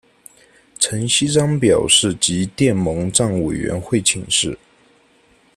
陈锡璋表示即电蒙藏委员会请示。